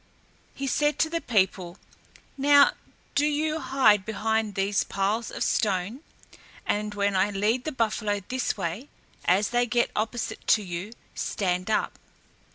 He said to the people, "Now, do you hide behind these piles of stones, and when I lead the buffalo this way, as they get opposite to you, stand up."